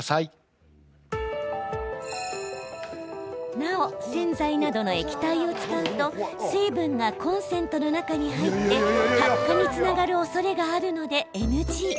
なお、洗剤などの液体を使うと水分がコンセントの中に入って発火につながるおそれがあるのでＮＧ。